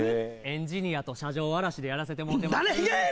エンジニアと車上荒らしでやらせてもろてます